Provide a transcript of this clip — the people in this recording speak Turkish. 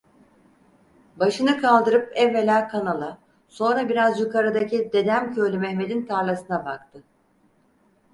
Başını kaldırıp evvela kanala, sonra biraz yukarıdaki Dedemköylü Mehmet'in tarlasına baktı.